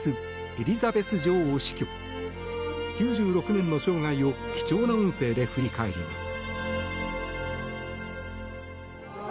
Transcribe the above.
９６年の生涯を貴重な音声で振り返ります。